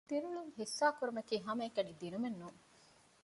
ދިރިއުޅުން ޙިއްޞާކުރުމަކީ ހަމައެކަނި ދިނުމެއް ނޫން